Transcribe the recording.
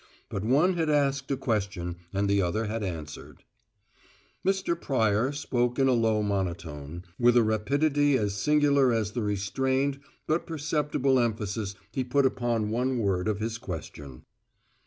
But one had asked a question and the other had answered. Mr. Pryor spoke in a low monotone, with a rapidity as singular as the restrained but perceptible emphasis he put upon one word of his question.